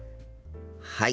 はい。